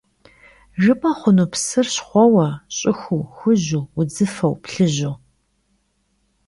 Jjıp'e xhunu psır şxhueue, ş'ıxuu, xuju, vudzıfeu, plhıju?